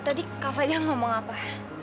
tadi kak fajar ngomong apa